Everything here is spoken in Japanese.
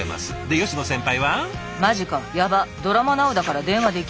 吉野先輩！